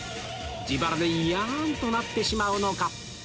自腹でいやん！となってしまうのか？